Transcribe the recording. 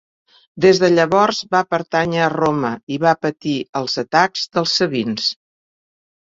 Des de llavors va pertànyer a Roma i va patir els atacs dels sabins.